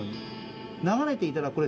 流れていたらこれ。